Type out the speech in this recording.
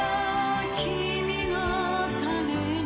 君のために